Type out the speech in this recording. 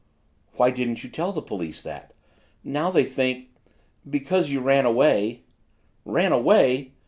"Why didn't you tell the police that? Now they think, because you ran away " "Ran away!